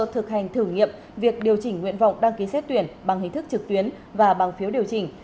thực hành thử nghiệm việc điều chỉnh nguyện vọng đăng ký xét tuyển bằng hình thức trực tuyến và bằng phiếu điều chỉnh